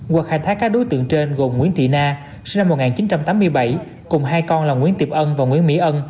qua khai thác các đối tượng trên gồm nguyễn thị na sinh năm một nghìn chín trăm tám mươi bảy cùng hai con là nguyễn tiệp ân và nguyễn mỹ ân